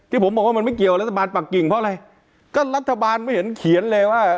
ผมบอกว่ามันไม่เกี่ยวรัฐบาลปากกิ่งเพราะอะไรก็รัฐบาลไม่เห็นเขียนเลยว่า